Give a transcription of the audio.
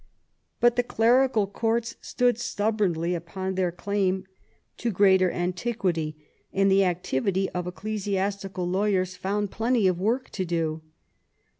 But the clerical courts stood stubbornly upon their claim to greater antiquity, and the activity of ecclesiastical lawyers found plenty of work to do.